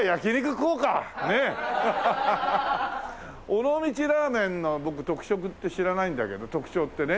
尾道ラーメンの僕特色って知らないんだけど特徴ってね。